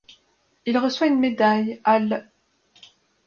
Il reçoit une médaille à l'.